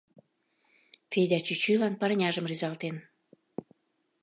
— Федя чӱчӱлан парняжым рӱзалтен.